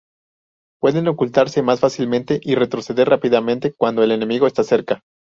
Pueden ocultarse más fácilmente y retroceder rápidamente cuando el enemigo está cerca.